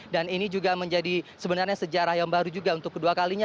dan ini juga menjadi sebenarnya sejarah yang baru juga untuk kedua kalinya